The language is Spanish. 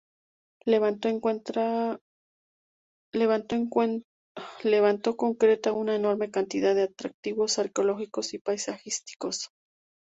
Levanto concentra una enorme cantidad de atractivos arqueológicos y paisajísticos.